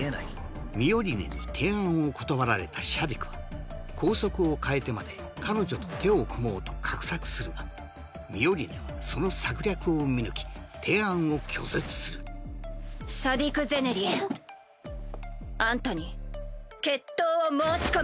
ミオリネに提案を断られたシャディクは校則を変えてまで彼女と手を組もうと画策するがミオリネはその策略を見抜き提案を拒絶するシャディク・ゼネリあんたに決闘を申し込む。